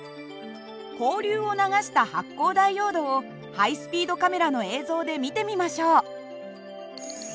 交流を流した発光ダイオードをハイスピードカメラの映像で見てみましょう。